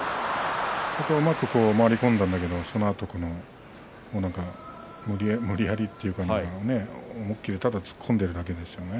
うまく回り込んだんだけどそのあと何か無理やりというかただ突っ込んでいるだけですね。